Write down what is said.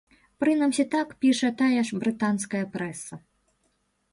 Прынамсі так піша тая ж брытанская прэса.